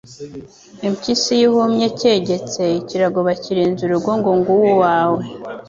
Impyisi iyo ihumye cyegetse, ikirago bakirenza urugo ngo Ng’uwo uwawe